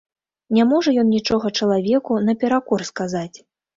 Не можа ён нічога чалавеку наперакор сказаць.